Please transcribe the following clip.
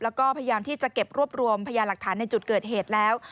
แล้วก็พยายามที่จะเก็บรวบรวมพยาหลักฐานในจุดเกิดเหตุแล้ว